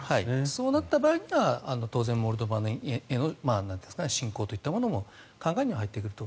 そうなった場合には当然モルドバへの侵攻というのも考えには入ってくると。